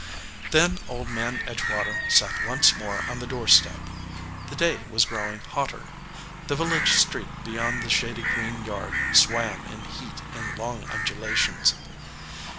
Then Old Man Edgewater sat once more on the door step. The day was growing hotter. The vil lage street beyond the shady green yard swam in heat in long undulations.